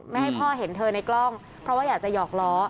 ไม่ให้พ่อเห็นเธอในกล้องเพราะว่าอยากจะหอกล้อ